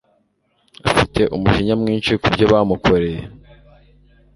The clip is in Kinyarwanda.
Afite umujinya mwinshi kubyo bamukoreye.